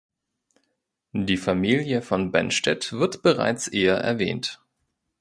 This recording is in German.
Die Familie von Bennstedt wird bereits eher erwähnt.